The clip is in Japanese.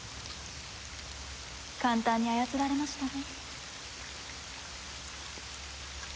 簡単に操られましたね。